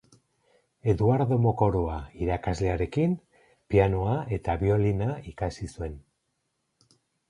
Eduardo Mokoroa irakaslearekin pianoa eta biolina ikasi zuen.